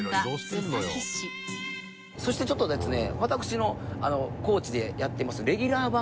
須崎市そしてちょっとですね